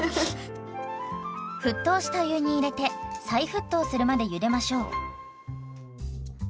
沸騰した湯に入れて再沸騰するまでゆでましょう。